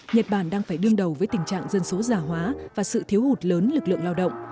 nhật bản đang phải đương đầu với tình trạng dân số già hóa và sự thiếu hụt lớn lực lượng lao động